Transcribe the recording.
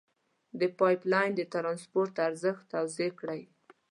د پایپ لین د ترانسپورت ارزښت توضیع کړئ.